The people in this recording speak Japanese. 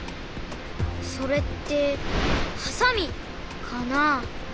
それってはさみかな？